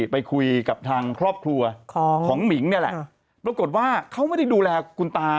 ไปคุยกับทางครอบครัวของหมิงนี่แหละปรากฏว่าเขาไม่ได้ดูแลคุณตา